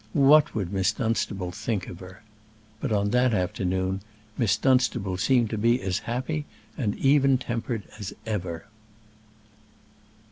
What would Miss Dunstable think of her? But on that afternoon Miss Dunstable seemed to be as happy and even tempered as ever.